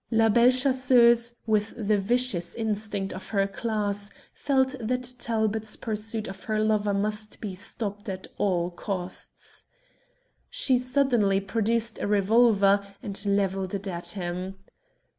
La Belle Chasseuse, with the vicious instinct of her class, felt that Talbot's pursuit of her lover must be stopped at all costs. She suddenly produced a revolver and levelled it at him.